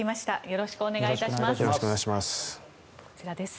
よろしくお願いします。